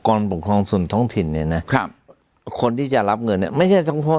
กรปกครองส่วนท้องถิ่นเนี่ยนะครับคนที่จะรับเงินไม่ใช่จัง